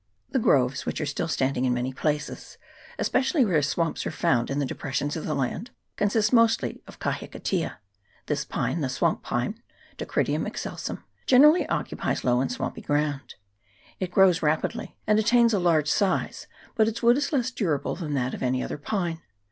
The groves, which are still stand ing in many places, especially where swamps are found in the depressions of the land, consist mostly of kahikatea : this pine, the swamp pine (Da crydium excelsum), generally occupies low and 318 THE KAHIKATEA PINE. [PART Ih swampy ground. It grows rapidly, and attains a large size, but its wood is less durable than that of any other pine.